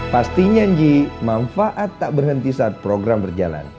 pastinya nji manfaat tak berhenti saat program berjalan